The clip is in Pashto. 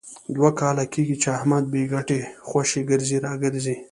دوه کاله کېږي، چې احمد بې ګټې خوشې ګرځي را ګرځي.